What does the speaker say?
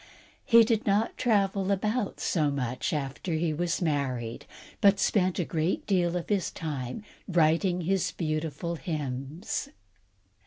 He did not travel about so much after he was married, but spent a great deal of his time writing his beautiful hymns.